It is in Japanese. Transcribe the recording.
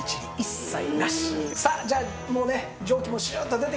さあじゃあもうね蒸気もシューッと出てきましたので。